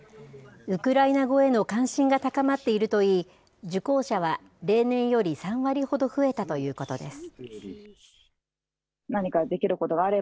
ウクライナ語への関心が高まっているといい、受講者は例年より３割ほど増えたということです。